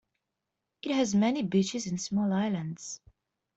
It has many beaches and small islands.